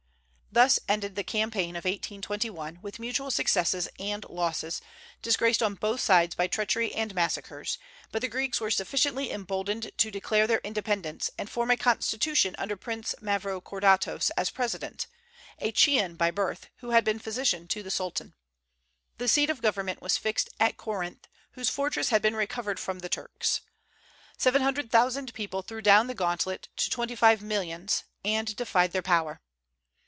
Thus ended the campaign of 1821, with mutual successes and losses, disgraced on both sides by treachery and massacres; but the Greeks were sufficiently emboldened to declare their independence, and form a constitution under Prince Mavrokordatos as president, a Chian by birth, who had been physician to the Sultan. The seat of government was fixed at Corinth, whose fortress had been recovered from the Turks. Seven hundred thousand people threw down the gauntlet to twenty five millions, and defied their power.